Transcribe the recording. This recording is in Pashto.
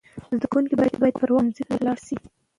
زده کوونکي باید پر وخت ښوونځي ته لاړ سي.